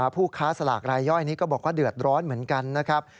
ผู้ค้าสลากรายย่อยนี้ก็บอกว่าเดือดร้อนเหมือนกันนะครับ